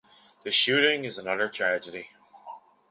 This shooting is another tragedy.